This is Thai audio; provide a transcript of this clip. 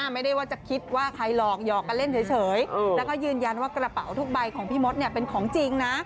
ไม่ได้ว่าจะคิดว่าใครหลอกหยอกกันเล่นเฉยแล้วก็ยืนยันว่ากระเป๋าทุกใบของพี่มดเป็นของจริงนะ